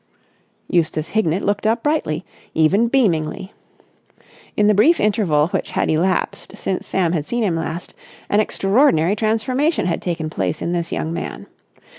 Eustace Hignett looked up brightly, even beamingly. In the brief interval which had elapsed since Sam had seen him last, an extraordinary transformation had taken place in this young man.